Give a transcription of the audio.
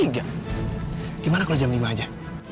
gimana kalau jam lima aja